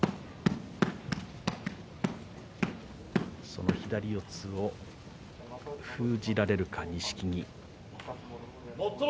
その左四つを封じられるか錦木。